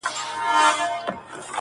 کرونا نه ده توره بلا ده،